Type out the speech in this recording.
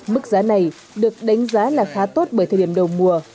mức giá này được đánh giá là khá tốt bởi thời điểm đầu mùa